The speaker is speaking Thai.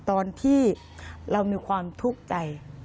ตอนที่เรามีความทุกข์ใจ